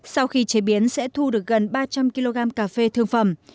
sau khi chế biến sẽ thu được gần ba trăm linh kg cà phê thương phẩm